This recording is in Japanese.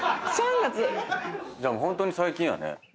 じゃあホントに最近やね。